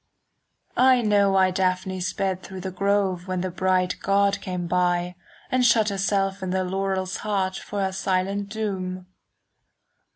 I know why Daphne sped through the grove 5 When the bright god came by, And shut herself in the laurel's heart For her silent doom.